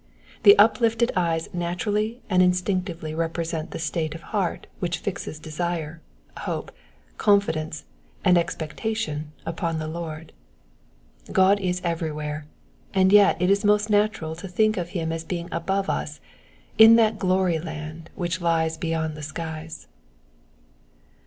The uplifted eyes naturally and instinctively represent the state of heart which fixes desire, hope, confidence, and ex pe^itation upon the Lord. God is everywhere, and yet it is most natural to think of him as being above us, in that glory land which lies beyond the skies.